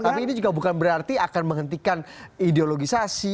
tapi ini juga bukan berarti akan menghentikan ideologisasi